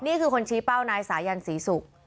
นี่คือคนชี้เป้านายสายันศรีศุกร์